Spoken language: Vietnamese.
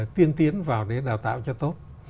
tiên tiến vào để đào tạo cho tốt